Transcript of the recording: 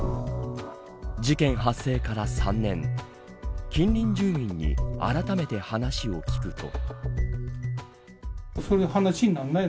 事件発生から３年近隣住民にあらためて話を聞くと。